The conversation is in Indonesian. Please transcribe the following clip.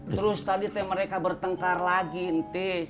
terus tadi mereka bertengkar lagi tis